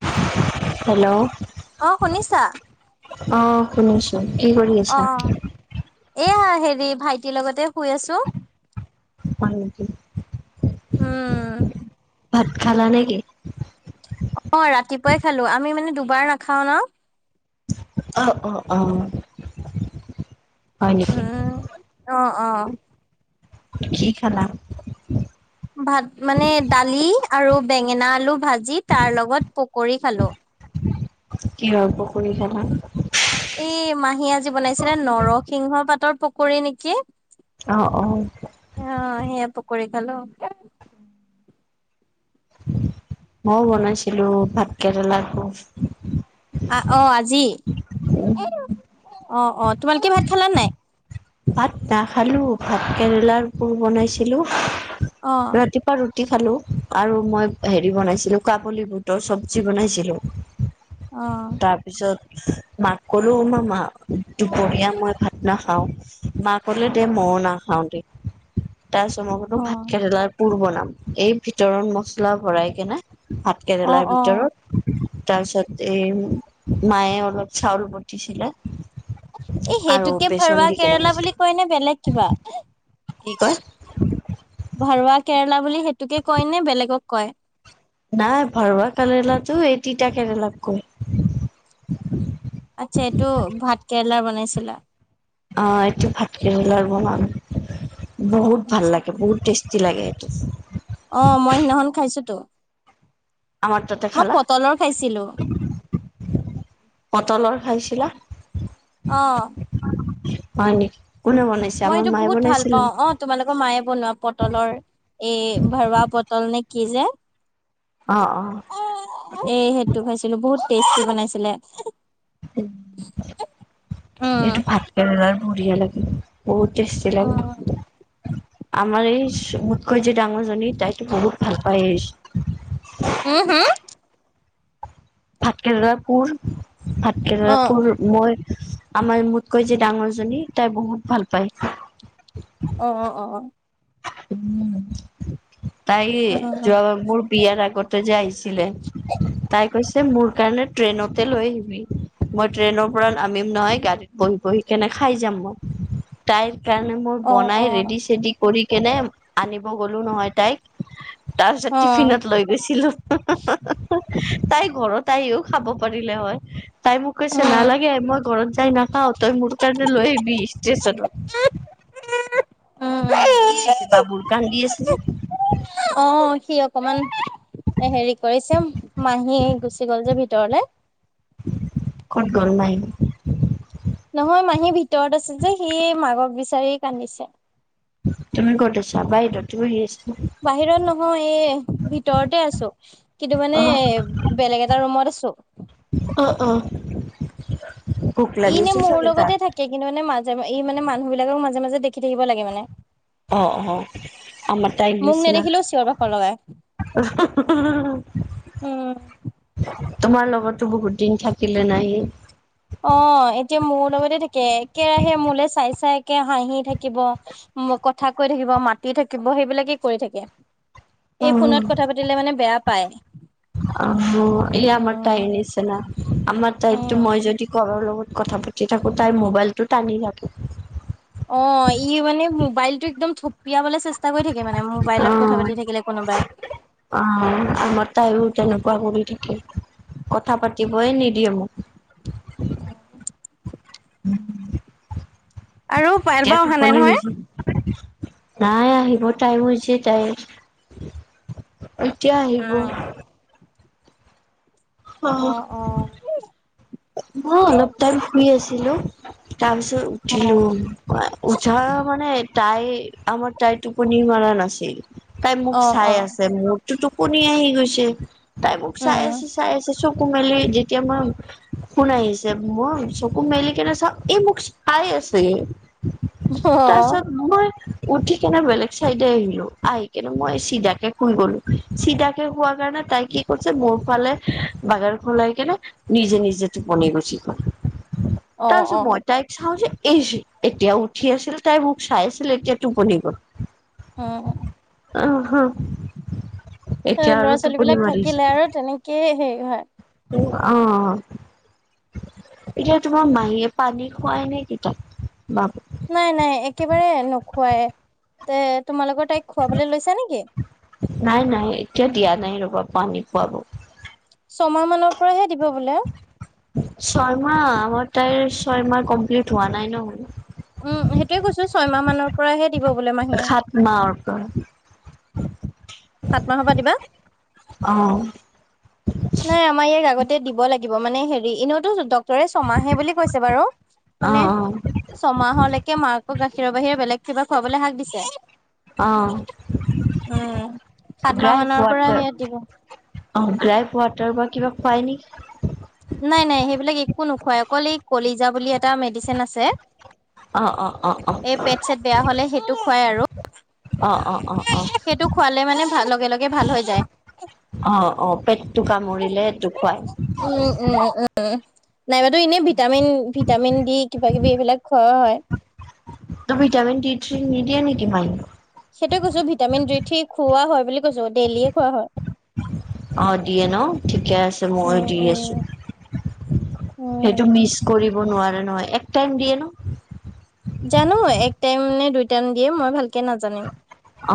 [unintelligible] অ শুনিছা হেল্ল' আহ। অ এয়া হেৰি ভাইটিৰ লগতে শুই আছো হয় নেকি? উম্। ভাত খালা নেকি? অ ৰাতিপুৱাই খালো আমি মানে দুবাৰ নাখাও ন। অ অ অ হয় নিকি? উম অ অ। কি খালা? ভাত মানে দালি আৰু বেঙেনা আলু ভাজি তাৰ লগত পকৰী খালো কি হয় পকৰী খালা এই মাহীয়ে পকৰি নেকি? আহ অ। হেল্ল'। মইও বনাইছিলো ভাত কেৰেলাটো। আহ অ আজি অ অ, তোমালোকে ভাত খালা নাই? ভাত নাখালো ভাত কেৰেলাৰ পোৰ বনাইছিলো অ ৰাতিপুৱা। ৰুটি খালো আৰু মই হেৰি বনাইছিলো কাবুলী বুটৰ চব্জি বনাইছিলোঁ। আহ! মাক কলো ম মা দুপৰীয়া মই ভাত নাখাওঁ। মা কলে দে মই নাখাও দে তাৰ চ মই কলো অ ভাত কেৰেলা ৰ পূৰ বনাম এই ভিতৰত মচলা ভৰাই কেনে ভাত অ কেৰেলাৰ অ ভিতৰত তাৰ পিছতে এই মায়ে অলপ চাউল বতিছিলে। এই আৰু সেইটোকে বেচন ভৰুৱা দি কেনে কেৰেলা গৈছিলে বুলি কয় ন বেলেগ কিবা? কি কয়? লা বুলি সেইটোকে কয় নে বেলেগক কয়? নাই ভৰৱা কেৰেলাটো এই তিতা কেৰেলাক কয়। আচ্ছা এইটো ভাত কেৰেলা বনাইছিলা? অ এইটো ভাত কেৰেলাৰ বনাম বহুত ভাল আচ্ছা, লাগে বহুত টেষ্ট লাগে এইটো অ' মই সিদিনাখন খাইছোতো আমাৰ তাতে মই খালা পটলৰ খাইছিলো। পটলৰ খাইছিলা [unintelligible] [inaudible] অহ হয় নেকি কোনে বনাইছে মই আমাৰ এইটো মায়ে বহুত ভাল বনাইছিলে পাওঁ অ তোমালোকৰ মায়ে বনোৱা পটলৰ এই ভৰোৱা পতল নে কি যে অ অ এই সেইটো খাইছিলো বহুত টেষ্টি বনাইছিলে। এইটো উম ভাত কেৰেলাৰ বঢ়িয়া লাগে। বহুত টেষ্টি লাগ অ' আমাৰ এই মুটকৈ যে ডাঙৰ জনি তাইতো বহুত ভাল পাই এই হ হ? ভাতকেৰেলা পোৰ ভাতকেৰেলাৰ অ' পুৰ মই আমাৰ মোতকৈ যে ডাঙৰজনী তাই বহুত ভাল পায়। অ অ অ অ। উম। তাই অ' যোৱাবাৰ মোৰ বিয়াৰ আগতে যে আহিছিলে, তাই কৈছে মোৰ কাৰণে ট্ৰেইনতে লৈ আহিবি। মই ট্ৰেইনৰ পৰা নামিম নহয় গাড়ীত বহি বহি কেনে খাই যাম মই তাইৰ সেইকাৰণে মই অ' বনাই অ' ৰেডি চেডি কৰি কেনে আনিব গ'লো নহয় তাইক তাৰ পিছত অ' টিফিনত লৈ গৈছিলো তাই ঘৰত আহিও খাব পাৰিলে হয় তাই মোক কৈছে উম নালাগে মই ঘৰত যাই নাখাও তই মোৰ [unintelligible] কাৰণে লৈ আহিবি ষ্টেশ্যনত কি উম হৈছে বাবুৰ কান্দি আছে যে অ সি অকমান হেৰি কৰিছে মাহী গুচি গ'ল যে ভিত তৰলে ক'ত গল নাই নহয় মাহী ভিতৰত আছে যে সি মাকক বিচাৰি কান্দিছে তুমি ক'ত আছা বাহিৰত তুমি সি আছা বাহিৰত নহয় এই ভিতৰতে আছো কিন্তু অ মানে বেলেগ এটা ৰুমত আ আছো অহ ইনে মোৰ লগতে থাকে কিন্তু মানে মাজে ই মানে মানুহ বিলাকক মাজে মাজে দেখি থাকিব লাগে মানে অ অ আমাৰ টাই মোক নিচিনা নেদেখিলেও চিঞৰ বাখৰ লগাই উম তোমাৰ লগতো বহুত দিন থাকিলে নাই সি অ এতিয়া মোৰ লগতে থাকে কেৰাহে মোলে চাই চাই একে হাঁহি থাকিব কথা কৈ থাকিব মাতি থাকিব সেইবিলাকে কৰি থাকে অ এই ফোনত কথা পাতিলে মানে বেয়া পায় অ এই আমাৰ তাইৰ উম। নিচিনা আমাৰ তাইটো মই যদি কৰাৰ লগত কথা পাতি থাকো তাইৰ মোবাইলটো টানি থাকে অ ই মানে মোবাইল টো একদম থপিয়াবলে চেষ্টা কৰি থাকে মানে মোবাইলত কথা অ পাতি থাকিলে কোনোবাই অ আমাৰ তাইও তেনেকুৱা কৰি থাকে কথা পাতিবৈ নিদিয়ে মোক আৰু এতিয়া পাইলবা অহা নাই টোপনি নহয়। গৈছে নাই আহিব টাইম হৈছে তাইৰ এতিয়া আহিব। অ', অ অ। অ অলপ টাইম শুই আছিলো তাৰপিছত উম, উঠিলো উঠা। অ মানে তাই আমাৰ তাই টোপনি মৰা নাছিল তাই মোক অ', চাই আছে মোৰতুটো টোপনি আহি গৈছে, তাই মোক চাই আছে চাই আছে চকু মেলি যেতিয়া মই শুন আহছে মই চকু মেলি কিনে চা, এই মোক চাই আছে তাৰছত নহয় উঠি কেনে বেলেগ চাইডে আহিলো, আহি কিনে মই চিধাকে শুই গলো চিধাকে শুৱাৰ কাৰণে তাই কি কৰিছে মোৰ ফালে বাগান খোলাই কেনে নিজে নিজে টোপনি গুচি গল, অ', তাৰপিছত অ', মই তাইক চাওঁ যে এই এতিয়া উঠি আছিল তাই মোক চাই আছিল এতিয়া টোপনি গল। অ অ। আহ এতিয়া ল'ৰা আৰু ছোৱালী টোপনি বিলাক থাকিলে মাৰিছো। আৰু তেনেকে হেৰি হয়। অ। এতিয়া তোমাৰ মাহীয়ে পানী খুৱাই নে কি তাক? বাপ নাই নাই একেবাৰে নোখুৱাই এ নাই নাই এতিয়া দিয়া নাই ৰ'বা পানী খুৱাব। ছমাহ মানৰ পৰাহে দিব বোলে। ছয় মাহ আমাৰ তাইৰ ছয় মাহ কমপ্লিট হোৱা নাই ন। উম সেইটোয়ে কৈছো ছয়মাহ মানৰ পৰাহে দিব বোলে মাহীয়ে। সাত মাহৰ পৰা সাত মাহৰ পৰা দিবা। অ। নাই আমাৰ ইয়াক আগতে দিব লাগিব মানে হেৰি এনেওটো দক ৰে ছমাহে বুলি কৈছে বাৰু, মানে অ', ছমাহলেকে মাকৰ গাখীৰৰ বাহিৰে বেলেগ কিবা খোৱাবলে শাক দিছে। অ উম। সাত মাহ ড্ৰাইফ মানৰ পৰা ৱাটাৰ সেয়া দিব। অ গ্ৰাইফ ৱাটাৰ বা কিবা খুৱাই নেকি? নাই নাই সেইবিলাক একো নোখুৱাই অকল এই কলিজা বুলি এটা মেডিচিন আছে অ', অ', অ', অ', এই পেট চেট বেয়া হলে সেইটো খুৱাই আৰু। অ', অ', অ', অ', সেইটো খোৱালে মানে ভাল লগে লগে ভাল হৈ যায়। অ অ পেটটো কামুৰিলে সেইটো খুৱাই। নাইবাটো এনেই ভিটামিন ভিটামিন দি কিবা কিবি এইবিলাক খোৱা হয়। ত' ভিটামিন ডি নিদিয়ে নেকি মাৰ? সেইটোৱে কৈছো ভিটামিন ডি থি খুওৱা হয় বুলি কৈছো ডেইলিয়ে খুৱা হয়। অঁ দিয়ে ন ঠিকে আছে ময়ো উম দি আছোঁ। উম। উম সেইটো মিচ কৰিব নোৱাৰে নহয় এক টাইম দিয়ে ন? জানো এক টাইম নে দুই টাইম দিয়ে মই ভালকে নাজানিম।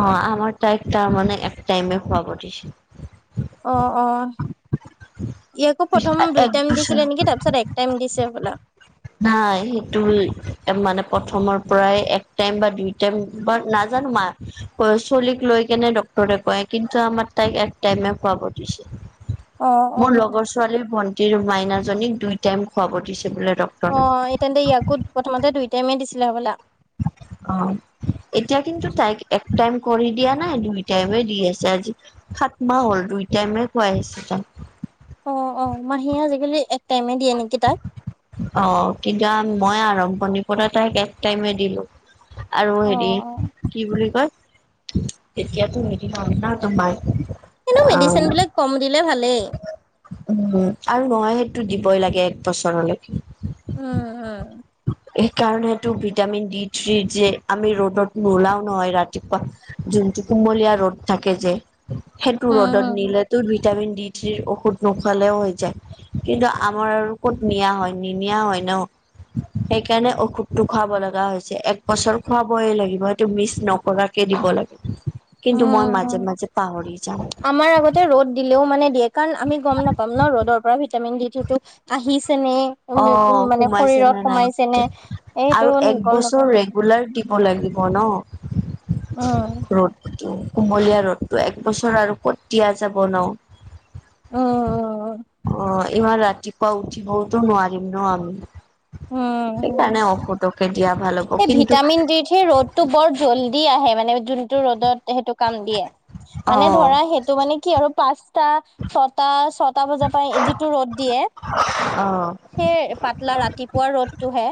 অ আমাৰ ত এক ত মানে এক টাইমে খুৱাব দিছে। আহ অ। ইকো প্ৰথম এক দুই টাইম বছৰ দিছিলে নেকি? তাৰপিছত এক টাইম দিছে হবলা। নাই সেইটো মানে প্ৰথমৰ পৰাই এক টাইম বা দুই টাইম বা না ানো মা ক চলিক লৈ কেনে ডটৰে কয় কিন্তু আমাৰ তাইক এ টাইমে খুৱাব দিছিল। অ অ মোৰ লগৰ ছোৱালীৰ ভন্টিৰ মাইনাজনীক দুই টাইম খুৱাব দিছে বোলে। অ ডক্তৰে তেন্তে ইয়াকো প্ৰথমতে দুই টাইমে দিছিলে হবলা? অ এতিয়া কিন্তু তাইক এক টাইম কৰি দিয়া নাই দুই টাইমে দি আছে আজি সাত মাহ হ'ল দুই টাইমে খুৱাই আহিছো তাক। অ অ মাহী আজিকালি এক টাইমে দিয়ে নেকি তাক? অ কিতিয়া মই আৰম্ভণিৰ পৰা তাইক এক টাইমে দিলো। আৰু অ হেৰি অ কি বুলি কয় তেতিয়াতো হেৰিনাও ন তোমাৰ [unintelligible] এনো অ', মেডিচিন বিলাক কম দিলে ভালেই। উম, আৰু নহয় সেইটো দিবই লাগে এক বছৰলৈকে। উম-উম। সেইকাৰণেটো ভিটামিন ডি থ্ৰি যে আমি ৰ'দত নোলাও ন ৰাতিপুৱা টো কুমলীয়া ৰ'দ থাকে যে সেইটো উম উম ৰ'দত নিলে তো ভিটামিন ডি থ্ৰিৰ ঔষধ নোখোৱালেও হৈ যায়। কিন্তু আমাৰ আৰু ক'ত নিয়া হয় নিনিয়া হয় ন সেই কাৰণে ঔষধটো খুৱাব লগা হৈছে এক বছৰ খুৱাবই লাগিব সেটো মিছ নকৰাকে দিব লাগে ে [unintelligible] উম উম আমাৰ আগতে ৰ'দ দিলেও মানে কাৰণ আমি গ'ম নাপাম ন ৰ'দৰ পৰা ভিটামিন ডি থ্ৰি আহিছে নে উম অ', মানে সোমাইছে নে শৰীৰত নাই। সোমাইছে নে সেইটো গম নাপাম অ লাগিব ন উম ৰ'দটো কুমলীয়া ৰ'দটো একবছৰ আৰু কতিয়া যাব ন উম উম উম উম অ ইমান ৰাতিপুৱা উঠিবওতো নোৱাৰিম ন আমি সেইকাৰনে ঔষধ এ ভিটামিন ডি থ্ৰি ৰ'দতটো বৰ জল্দি আহে মানে যোনটো ৰ'দত সেইটো কাম দিয়ে অ মানে ধৰা সেইটো মানে কি আৰু পাচ টা ছতাশ ছটা বজাৰ পৰা যিটো ৰ'দ দিয়ে অ সেই পাতলা ৰাতি ৰদটোহে।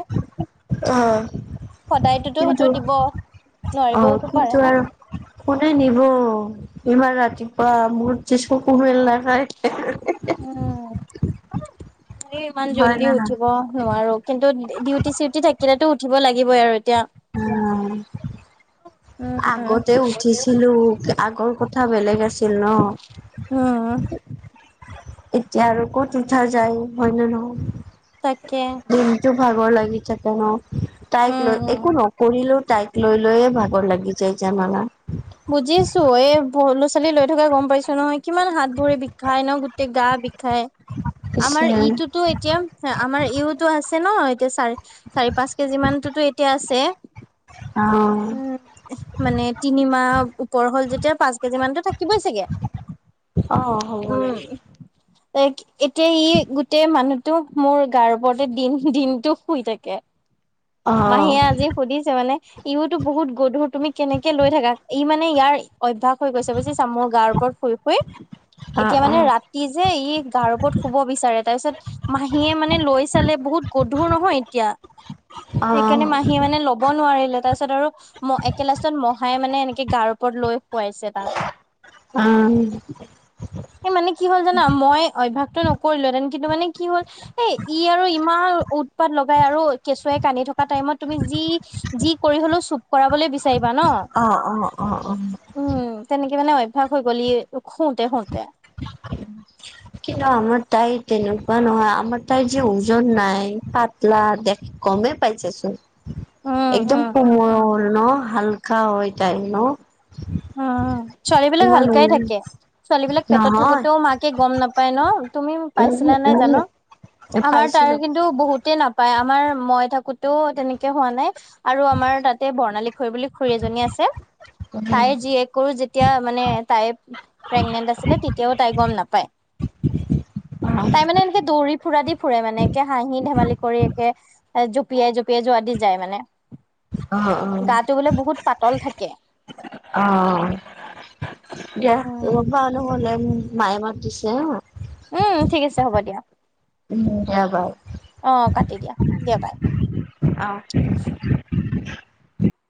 অহ', সদায়তোতো সেইটো কিন্তু দিব অ, নোৱাৰিবওতো পাৰে কিন্তু ন আৰু কোনে নিব। ইমান ৰাতিপুৱা মোৰ যে চকু মেল নাখায়। উম ইমান হয় জল্দি না নহয় উঠিব নোৱাৰো কিন্তু ডিউটি চিউটি থাকিলেতো উঠিব লাগিবই আৰু। এতিয়া। উম, উম আগতে উঠিছিলো আগৰ কথা কথা বেলেগ আছে উম, এতিয়া আৰু ক'ত উঠা যায় হয় নে তাকে নহয়। দিনটো ভাগৰ লাগি থাকে ন তাইক উম লৈ উম একো নকৰিলেও। তাইক লৈ লৈয়ে ভাগৰ লাগি যায় জানানা। বুজিছো এই ল'ৰা ছোৱালী লৈ থকাে গম পাইছো নহয়। কিমান হাত ভৰি বিষায় ন গোটেই গা বিষায়। আমাৰ পিছে ইটোতো এতিয়া আমাৰ ইউতো আছে ন। এতিয়া চাৰ - চাৰি পাচ কেজি মানতোতো এতিয়া আছে। অ উম, মানে তিনি মাহ ওপৰ হ'ল যেতিয়া পাচ কেজি মানতো থাকিবই চাগে। অহ, হব দে। এ-এতিয়া ই গোটেই মানুহটো মোৰ গাৰ ওপৰতে দিন দিনতটো শুই থাকে। অ মাহীয়ে আজি সুধিছে মানে ইউতো বহুত গধুৰ তুমি কেনেকে লৈ থাকা। ই মানে ইয়াৰ অভ্যাস হৈ গৈছে বুজিচা মোৰ গাৰ ওপৰত শুই-শুই। অ এতিয়া মানে ৰাতি যে ই গাৰ ওপৰত শুব বিচাৰে তাৰপিছত মাহীয়ে মানে লৈ চালে বহুত বহুত গধুৰ নহয় এতিয়া। অ অ সেইকাৰণে মাহীয়ে মানে ল'ব নোৱাৰিলে তাৰপিছত আৰু একে লাষ্টত মহাই মানে এ কিবগাৰ ওপৰত লৈ শুৱাইছে উম তাক। এই মানে কি হ'ল জানা মই অভ্যাসটো নকৰিলো এ কিন্তু মানে কি হ'ল এ ই আৰু ইমান উৎপাত লগাই আৰু কেচুৱাই কান্দি থকা টাইমত তুমি যি - যি কৰি হলেও চুপ কৰাবলৈ বিচাৰিবা ন। অ অ অ উম উম তেনেকে মানে অভ্যাস হৈ গ'লি শুতে শুতে [inaudible] কিন্তু আমাৰ তাই তেনেকুৱা নহয় আমাৰ তাই যে ওজন নাই পাতলা দেখ- কমেই পাইছে চোন উম একদম উম কোমল ন হালকা হয় তাই ন উম ছোৱালী বিলাক ইমান হালকাই থাকে। ছোৱালী বিলাক পেটত নহয় থাকোতেও মাকে গম নাপায় ন। তুমি উম পাইছিলা নাই উম জানো এ আমাৰ তাৰ পাইছিলো। কিন্তু বহুতে নাপ পাই আমাৰ মই থাকোতেও তেনেকে হোৱা নাই। আৰু আমাৰ তাতে বৰ্ণালী খুৰী বুলি খুৰী এজনী আছে। তাইৰ জীয়েকৰ যেতিয়া মানে তাই প্ৰেগনেন্ট আছিলে তেতিয়াও তাই গম নাপায়। [unintelligible] তাই মানে এনেকে দৌৰি ফুৰা দি ফুৰে মানে একে হাহি ধেমালি কৰি একে। জঁপিয়াই - জঁপিয়াই যোৱা দি যায় মানে। অ', অ', গাটো বোলে বহুত পাতল থাকে। অ, দিয়া উম, তা হলে মায়ে মাত দিছে হা। উম, ঠিক আছে হ'ব দিয়া। উম, দিয়া বাও। অ, কাটি দিয়া - দিয়া বাই। অ'।